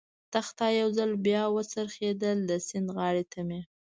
تخته یو ځل بیا و څرخېدل، د سیند غاړې ته مې.